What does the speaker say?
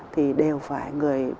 thì đều phải người